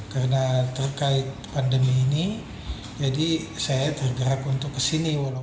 karena terkait pandemi ini jadi saya tergerak untuk kesini